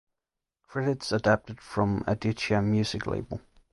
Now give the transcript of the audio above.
Credits adapted from Aditya Music label